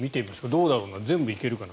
どうだろうな、全部行けるかな？